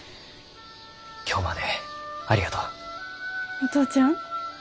お父ちゃん？